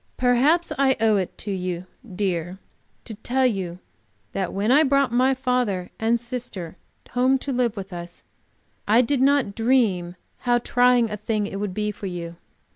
"Perhaps I owe it to you, dear, to tell you that when I brought my father and sister home to live with us, I did not dream how trying a thing it would be to you.